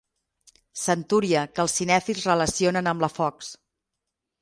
Centúria que els cinèfils relacionen amb la Fox.